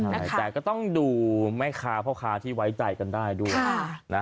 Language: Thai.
นะคะแต่ก็ต้องดูแม่ค้าเพราะค้าที่ไว้ใจกันได้ด้วยค่ะ